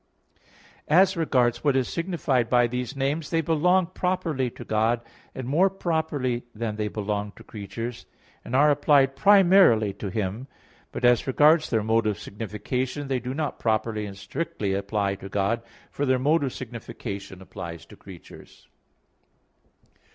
As regards what is signified by these names, they belong properly to God, and more properly than they belong to creatures, and are applied primarily to Him. But as regards their mode of signification, they do not properly and strictly apply to God; for their mode of signification applies to creatures.